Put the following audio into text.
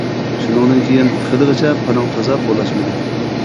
شۇنىڭدىن كىيىن خىلىغىچە پاراڭ تازا قولاشمىدى.